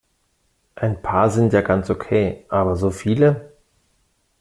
Ein paar sind ja ganz okay, aber so viele?